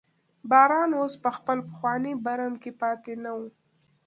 باران اوس په خپل پخواني برم کې پاتې نه و.